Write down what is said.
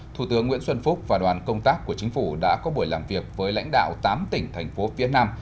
thủ tướng nguyễn xuân phúc và đoàn công tác của chính phủ đã có buổi làm việc với lãnh đạo tám tỉnh thành phố phía nam